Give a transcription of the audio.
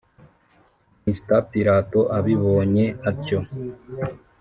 Mr pilato abibonye atyo